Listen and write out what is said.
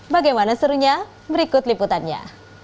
bagaimana serunya berikut liputannya